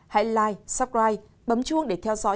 hãy like subscribe bấm chuông để theo dõi